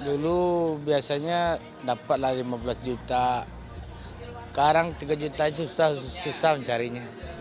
dulu biasanya dapat lah lima belas juta sekarang tiga juta susah susah mencarinya